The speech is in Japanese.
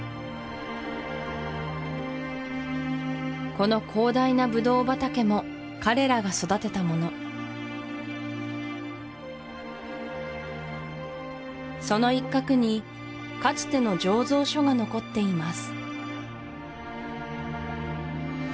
この広大なブドウ畑も彼らが育てたものその一角にかつての醸造所が残っています